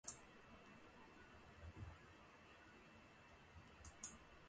老龙恼怒闹老农，老农恼怒闹老龙。农怒龙恼农更怒，龙恼农怒龙怕农。